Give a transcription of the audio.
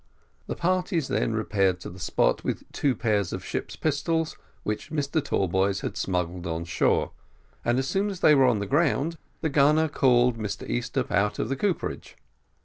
The parties then repaired to the spot with two pairs of ship's pistols, which Mr Tallboys had smuggled on shore; and, as soon as they were on the ground, the gunner called Mr Easthupp out of the cooperage.